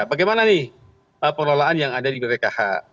bagaimana nih pengelolaan yang ada di bpkh